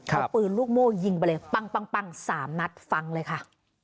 เอาปืนลูกโม่ยิงไปเลยปังสามนัดฟังเลยค่ะ